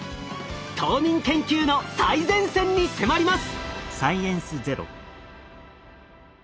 冬眠研究の最前線に迫ります！